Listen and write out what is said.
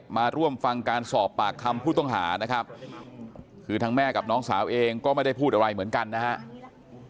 มาร่วมฟังการสอบปากคำผู้ต้องหานะครับคือทั้งแม่กับน้องสาวเองก็ไม่ได้พูดอะไรเหมือนกันนะครับ